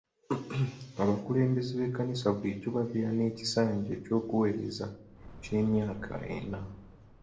Abakulembeze b'ekkanisa bulijjo babeera n'ekisanja ky'okuweereza kya myaka ena.